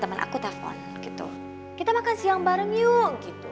temen aku telpon gitu kita makan siang bareng yuk gitu